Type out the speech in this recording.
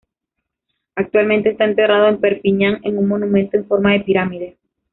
Actualmente está enterrado en Perpiñán, en un monumento en forma de pirámide.